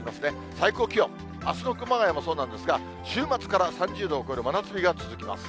最高気温、あすの熊谷もそうなんですが、週末から３０度を超える真夏日が続きます。